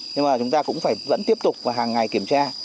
nhưng mà chúng ta cũng phải vẫn tiếp tục hàng ngày kiểm tra